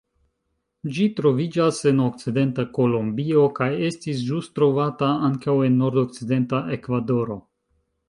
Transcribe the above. Ĝi troviĝas en okcidenta Kolombio kaj estis ĵus trovata ankaŭ en nordokcidenta Ekvadoro.